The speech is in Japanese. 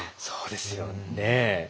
そうですよね。